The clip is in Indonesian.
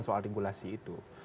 soal ringkulasi itu